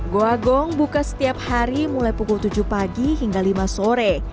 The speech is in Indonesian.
goa gong buka setiap hari mulai pukul tujuh pagi hingga lima sore